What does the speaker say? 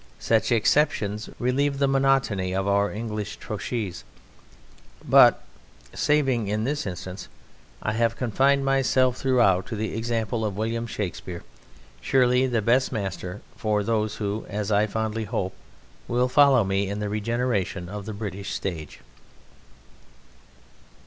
Such exceptions relieve the monotony of our English trochees. But, saving in this instance, I have confined myself throughout to the example of William Shakespeare, surely the best master for those who, as I fondly hope, will follow me in the regeneration of the British Stage.